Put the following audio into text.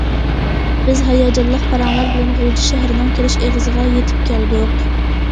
بىز ھاياجانلىق پاراڭلار بىلەن غۇلجا شەھىرىنىڭ كىرىش ئېغىزىغا يېتىپ كەلدۇق.